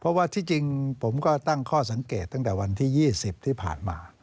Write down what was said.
เพราะว่าที่จริงผมก็ตั้งข้อสังเกตตั้งแต่วันที่๒๐ที่ผ่านมา